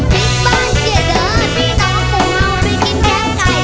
บิ๊กบ้านเชียดเดิมพี่น้องหมูเอาไปกินแค่ไก่